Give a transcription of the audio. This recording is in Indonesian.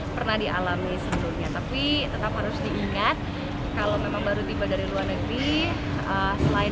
pernah dialami sebelumnya tapi tetap harus diingat kalau memang baru tiba dari luar negeri selain